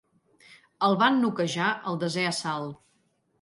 El van noquejar al desè assalt.